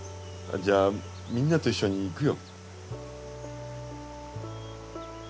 じゃあみんなと一緒に行くよ。